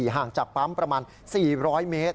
ห่างจากปั๊มประมาณ๔๐๐เมตร